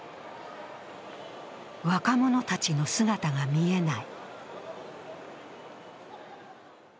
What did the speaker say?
若者たちの姿が見えない。